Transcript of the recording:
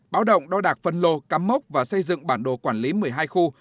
báo động đo đạc phân lô cắm mốc và xây dựng bản đồ quản lý một mươi hai khu